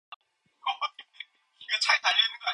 그러나 그 말을 하지 못하는 것은 무슨 까닭이냐.